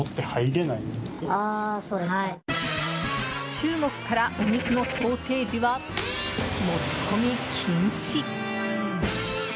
中国からお肉のソーセージは持ち込み禁止。